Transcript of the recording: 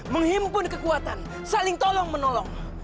menghimpun kekuatan saling tolong menolong